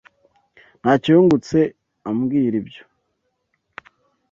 Ntacyo yungutse ambwira ibyo.